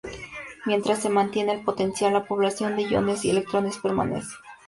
Mientras se mantiene el potencial, la población de iones y electrones permanece.